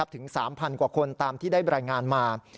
ถึง๓๐๐กว่าคนตามที่ได้รายงานมา